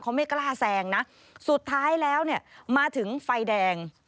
เขาไม่กล้าแซงนะสุดท้ายแล้วเนี่ยมาถึงไฟแดง